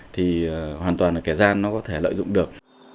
thì hoàn toàn là kẻ gian nó có thể lợi dụng được